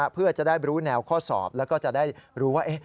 เพื่อจะได้รู้แนวข้อสอบแล้วก็จะได้รู้ว่า